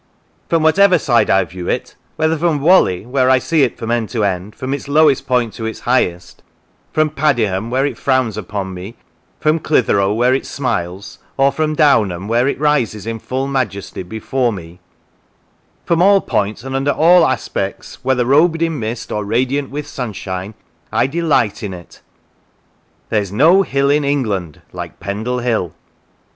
" From whatever side I view it whether from Whalley, where I see it from end to end, from its lowest point to its highest; from Padiham, where it frowns upon me; from Clitheroe, where it smiles; or from Downham, where it rises in full majesty before me from all points and under all aspects, whether robed in mist or radiant with sunshine, I delight in it. ... There is no hill in England like Pendle Hill."